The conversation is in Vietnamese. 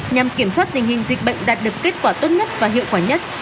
nhằm kiểm soát tình hình dịch bệnh đạt được kết quả tốt nhất và hiệu quả nhất